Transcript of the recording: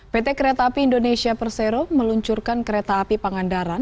pt kereta api indonesia persero meluncurkan kereta api pangandaran